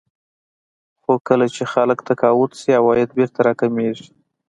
خو کله چې خلک تقاعد شي عواید بېرته راکمېږي